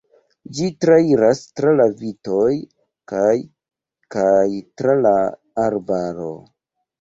Ĝi trairas tra la vitoj kaj kaj tra la arbaro.